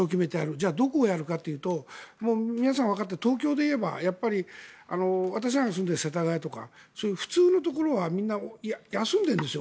じゃあ、どこでやるかというと皆さん、わかっているように東京でいえば私なんかが住んでいる世田谷とか、普通のところは休んでいるんですよ